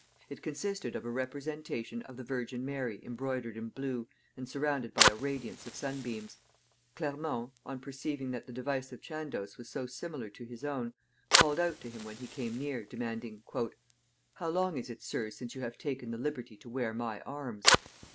It consisted of a representation of the Virgin Mary embroidered in blue, and surrounded by a radiance of sunbeams. Clermont, on perceiving that the device of Chandos was so similar to his own, called out to him when he came near, demanding, "How long is it, sir, since you have taken the liberty to wear my arms?"